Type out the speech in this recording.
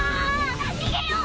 逃げよう！